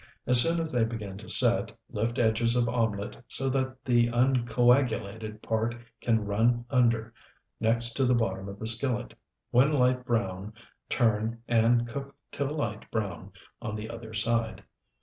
As soon as they begin to set, lift edges of omelet, so that the uncoagulated part can run under, next to bottom of the skillet. When light brown, turn, and cook till light brown on the other side.